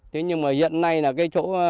thế nhưng mà hiện nay là cái chỗ